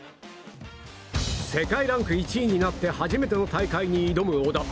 世界ランク１位になって初めての大会に挑む小田。